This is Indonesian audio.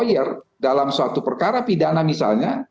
kalau saya sebagai lawan dalam suatu perkara pidana misalnya